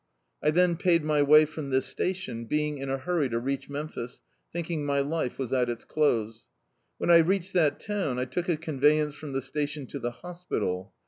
I then paid my way from this station, being in a hurry to reach Memphis, thinking my life was at its close. When I reached that town, I took a conveyance from the station to the hospital.